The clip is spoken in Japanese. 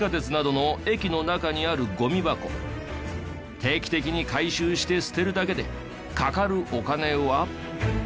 定期的に回収して捨てるだけでかかるお金は。